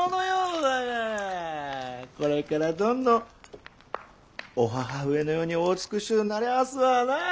これからどんどんお母上のようにお美しゅうなりゃすわなあ！